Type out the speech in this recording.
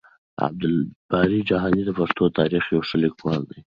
عبدالباري جهاني د پښتنو د تاريخ يو ښه ليکوال دی.